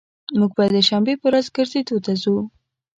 موږ به د شنبي په ورځ ګرځیدو ته ځو